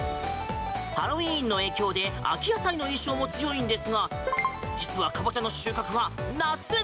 ハロウィーンの影響で秋野菜の印象も強いですが実は、カボチャの収穫は夏！